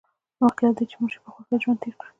مخکې له دې چې مړ شئ په خوښۍ ژوند تېر کړئ.